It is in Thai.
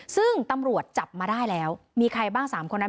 ซึ่งตำรวจจับมาได้แล้วมีใครบ้าง๓คนนั้น